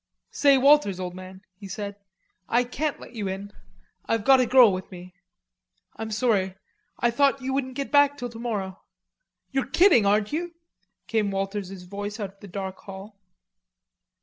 "Say, Walters, old man," he said, "I can't let you in.... I've got a girl with me. I'm sorry.... I thought you wouldn't get back till tomorrow." "You're kidding, aren't you?" came Walters's voice out of the dark hall.